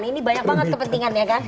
ini banyak banget kepentingan ya kan